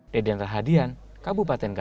deden rahadian kabupaten jendela